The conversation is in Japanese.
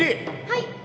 はい。